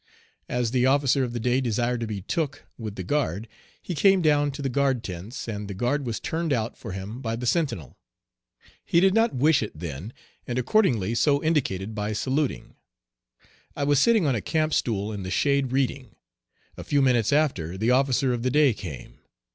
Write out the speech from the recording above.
As the officer of the day desired to be "took" with the guard, he came down to the guard tents, and the guard was "turned out" for him by the sentinel. He did not wish it then, and accordingly so indicated by saluting. I was sitting on a camp stool in the shade reading. A few minutes after the officer of the day came.